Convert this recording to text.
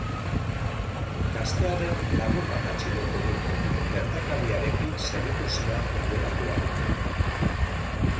Gaztearen lagun bat atxilotu dute gertakariarekin zerikusia duelakoan.